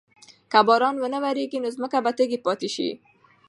که باران ونه وریږي نو ځمکه به تږې پاتې شي.